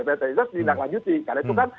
pt densus diindahkan lanjuti karena itu kan